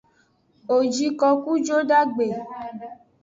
Wo ji koku kudagbe.